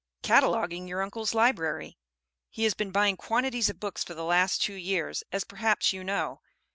"Cataloguing your uncle's library. He has been buying quantities of books for the last two years, as perhaps you know.